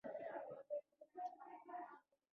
د پارلمان یو تن استازي وویل.